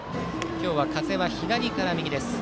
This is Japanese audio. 今日は風は左から右です。